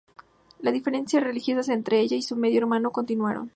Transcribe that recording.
Las diferencias religiosas entre ella y su medio hermano continuaron.